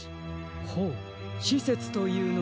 ほうしせつというのは？